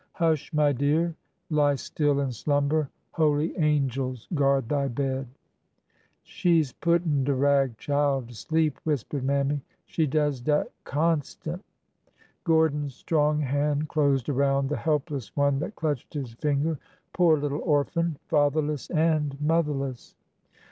Hush, my dear, lie still and slumber, Holy angels guard thy bed." 338 ORDER NO. 11 She 's puttin' de rag chile to sleep/' whispered Mammy. '' She does dat c(?nstant." Gordon's strong hand closed around the helpless one that clutched his finger. Poor little orphan ! Fatherless and motherless